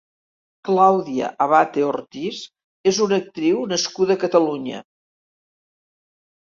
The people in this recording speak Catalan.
Claudia Abate Ortiz és una actriu nascuda a Catalunya.